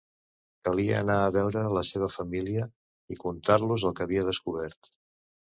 Calia anar a veure la seua família i contar-los el que havia descobert.